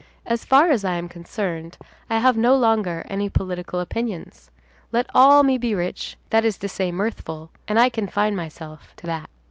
As far as I am concerned, I have no longer any political opinions; let all men be rich, that is to say, mirthful, and I confine myself to that."